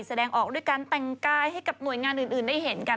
แสดงออกด้วยการแต่งกายให้กับหน่วยงานอื่นได้เห็นกัน